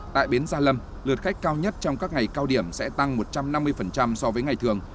tại bến gia lâm lượt khách cao nhất trong các ngày cao điểm sẽ tăng một trăm năm mươi so với ngày thường